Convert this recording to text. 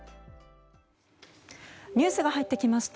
ニュースが入ってきました。